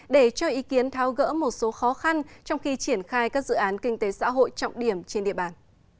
để cho ý kiến tháo gỡ một số khó khăn trong khi triển khai các dự án kinh tế xã hội trọng điểm trên địa bàn